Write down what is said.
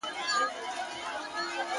زه حاصل غواړم له مځکو د باغلیو -